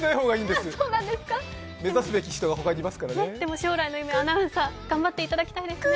でも、将来の夢はアナウンサー、頑張っていただきたいですね。